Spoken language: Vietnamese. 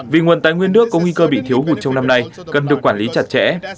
vì nguồn tài nguyên nước có nguy cơ bị thiếu hụt trong năm nay cần được quản lý chặt chẽ